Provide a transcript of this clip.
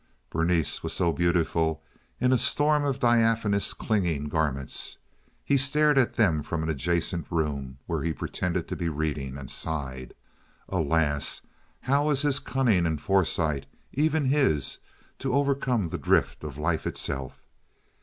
Berenice was so beautiful in a storm of diaphanous clinging garments. He stared at them from an adjacent room, where he pretended to be reading, and sighed. Alas, how was his cunning and foresight—even his—to overcome the drift of life itself?